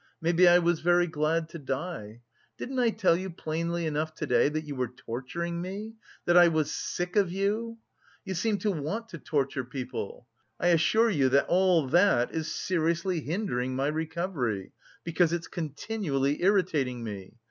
Maybe I was very glad to die. Didn't I tell you plainly enough to day that you were torturing me, that I was... sick of you! You seem to want to torture people! I assure you that all that is seriously hindering my recovery, because it's continually irritating me.